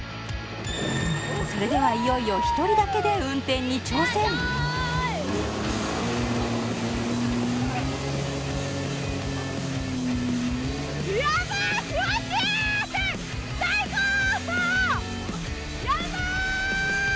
それではいよいよ１人だけで運転に挑戦やばい！